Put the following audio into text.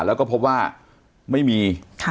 แล้วก็พบว่าไม่มี